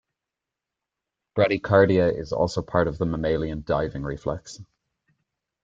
Bradycardia is also part of the mammalian diving reflex.